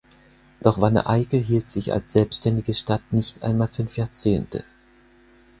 Doch Wanne-Eickel hielt sich als selbständige Stadt nicht einmal fünf Jahrzehnte.